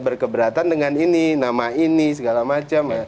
berkeberatan dengan ini nama ini segala macam